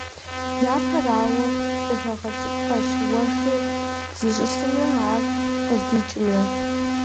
Япэрауэ, зэхэгъэкӀыпхъэщ уэшхыр зищӀысымрэ ар къыздикӀымрэ.